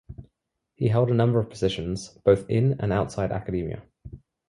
He held a number of positions, both in and outside academia.